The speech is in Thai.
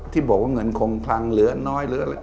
ที่บอกว่าเงินคงคลังเหลือน้อยหรืออะไร